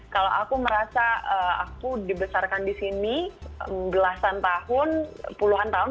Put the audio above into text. kalau aku merasa aku dibesarkan di sini belasan tahun